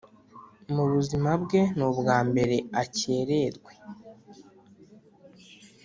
mu ubuzima bwe ni ubwa mbere akererwe